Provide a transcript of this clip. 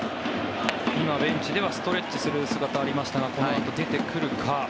今、ベンチではストレッチする姿がありましたがこのあと出てくるか。